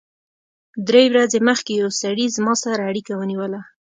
درې ورځې مخکې یو سړي زما سره اړیکه ونیوله